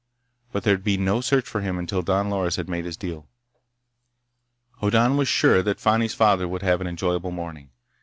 But there'd be no search for him until Don Loris had made his deal. Hoddan was sure that Fani's father would have an enjoyable morning.